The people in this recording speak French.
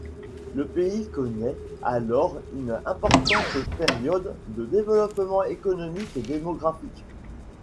Le pays connaît alors une importante période de développement économique et démographique.